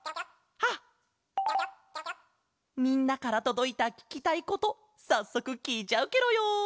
みんなからとどいたききたいことさっそくきいちゃうケロよ。